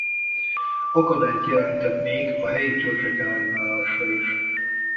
Akadályt jelentett még a helyi törzsek ellenállása is.